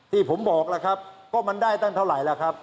ที่ผมบอกล่ะครับก็มันได้ตั้งเท่าไหร่ล่ะครับ